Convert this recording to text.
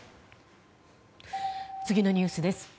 次のニュースです。